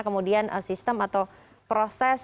kemudian sistem atau proses